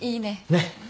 ねっ。